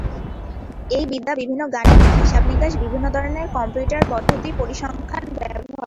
এই বিদ্যা বিভিন্ন গাণিতিক হিসাব নিকাশ, বিভিন্ন ধরনের কম্পিউটার পদ্ধতি, পরিসংখ্যান ব্যবহার করে।